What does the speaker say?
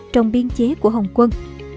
trong biên chế của hồng quân